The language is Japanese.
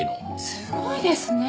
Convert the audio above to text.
すごいですね！